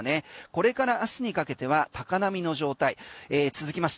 これから明日にかけては高波の状態続きます。